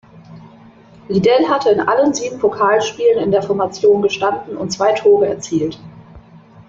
Liddell hatte in allen sieben Pokalspielen in der Formation gestanden und zwei Tore erzielt.